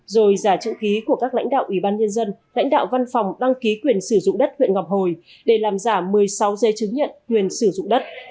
rồi giả chữ ký của các lãnh đạo ủy ban nhân dân lãnh đạo văn phòng đăng ký quyền sử dụng đất huyện ngọc hồi để làm giả một mươi sáu dây chứng nhận quyền sử dụng đất